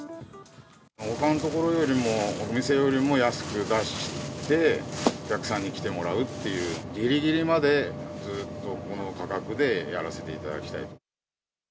ほかの所よりも、お店よりも安く出して、お客さんに来てもらうっていう、ぎりぎりまでずっとこの価格でやらせていただきたい。